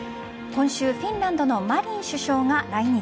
今週フィンランドのマリン首相が来日。